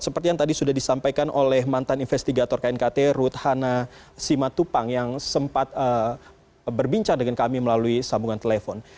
seperti yang tadi sudah disampaikan oleh mantan investigator knkt ruthana simatupang yang sempat berbincang dengan kami melalui sambungan telepon